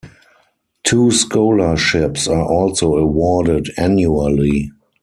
Two scholarships are also awarded annually.